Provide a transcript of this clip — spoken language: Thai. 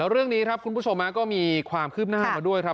เรื่องนี้คุณผู้ชมฮะคุณผู้ชมมีความขึ้นหน้าก็ด้วยครับ